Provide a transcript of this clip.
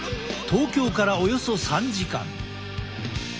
東京からおよそ３時間。